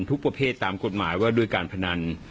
ทุกประเภทตามกฎหมายว่าด้วยการพนัน